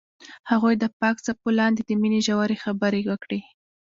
هغوی د پاک څپو لاندې د مینې ژورې خبرې وکړې.